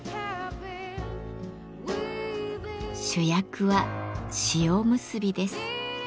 主役は塩むすびです。